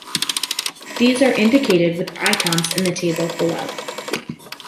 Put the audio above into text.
These are indicated with icons in the table below.